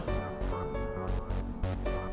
saya pikir ulang lah